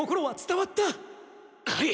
はい！